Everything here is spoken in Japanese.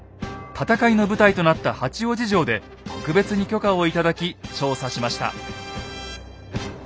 戦いの舞台となった八王子城で特別に許可を頂き調査しました。